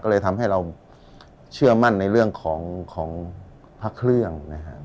ก็เลยทำให้เราเชื่อมั่นในเรื่องของพระเครื่องนะครับ